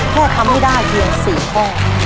เพื่อทำให้ได้เกี่ยว๔ข้อ